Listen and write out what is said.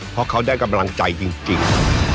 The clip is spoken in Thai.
เพราะเขาได้กำลังใจจริง